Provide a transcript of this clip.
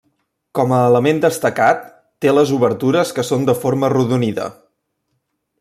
Com a element destacat, té les obertures que són de forma arrodonida.